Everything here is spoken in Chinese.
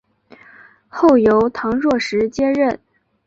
后由唐若时接任。